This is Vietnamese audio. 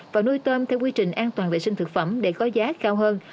và nuôi tôm theo quy trình an toàn vệ sinh thực phẩm để có giá cao hơn